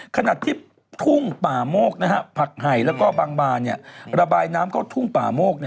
ขณะที่ทุ่งป่าโมกผักไห่แล้วก็บางบานระบายน้ำเข้าทุ่งป่าโมก